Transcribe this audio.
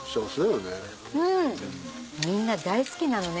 みんな大好きなのね